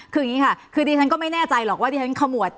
คืออันนี้ค่ะทีนี้ฉันไม่แน่ใจหรอกว่าเข้าหมวด